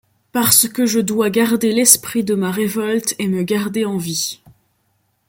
Parce que je dois garder l'esprit de ma révolte et me garder en vie.